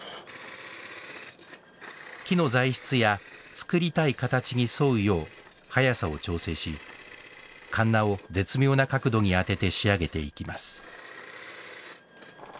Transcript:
木の材質や作りたい形に沿うよう速さを調整しかんなを絶妙な角度に当てて仕上げていきます。